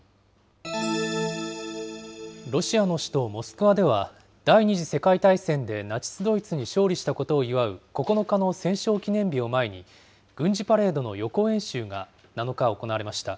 ロシアの首都モスクワでは、第２次世界大戦でナチス・ドイツに勝利したことを祝う９日の戦勝記念日を前に、軍事パレードの予行演習が７日、行われました。